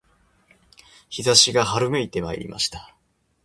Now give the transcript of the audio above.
陽射しが春めいてまいりました